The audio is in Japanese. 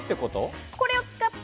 これを使って。